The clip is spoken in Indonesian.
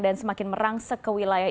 dan semakin merangsek ke wilayah